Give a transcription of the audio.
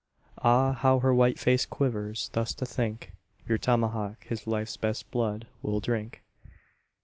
Ah, how her white face quivers thus to think, Your tomahawk his life's best blood will drink.